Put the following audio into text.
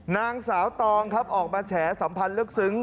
นางสาวตองครับออกมาแฉสัมพันธ์ลึกซึ้ง